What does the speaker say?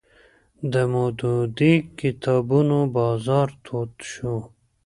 د مودودي کتابونو بازار تود شو